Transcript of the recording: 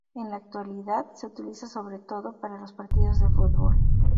En la actualidad, se utiliza sobre todo para los partidos de fútbol.